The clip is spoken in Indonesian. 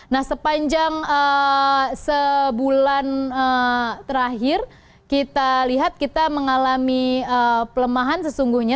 nah sepanjang sebulan terakhir kita lihat kita mengalami pelemahan sesungguhnya